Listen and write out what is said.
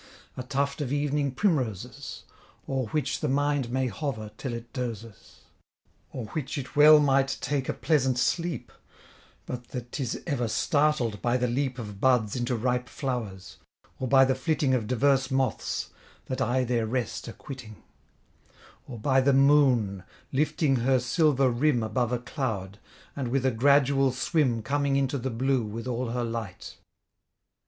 A tuft of evening primroses, O'er which the mind may hover till it dozes; O'er which it well might take a pleasant sleep, But that 'tis ever startled by the leap Of buds into ripe flowers; or by the flitting Of diverse moths, that aye their rest are quitting; Or by the moon lifting her silver rim Above a cloud, and with a gradual swim Coming into the blue with all her light.